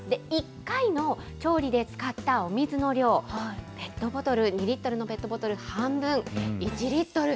１回の調理で使ったお水の量、ペットボトル、２リットルのペットボトル半分、１リットル。